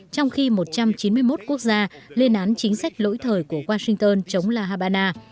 trong khi một trăm chín mươi một quốc gia lên án chính sách lỗi thời của washington chống la habana